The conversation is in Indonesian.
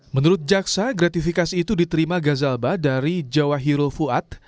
menurut jaksa gratifikasi itu diterima gazalba dari jawa hirul fuad